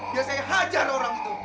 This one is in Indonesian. biasanya hajar orang itu